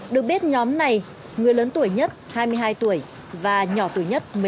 được biết nhóm này người lớn tuổi nhất hai mươi hai tuổi và nhỏ tuổi nhất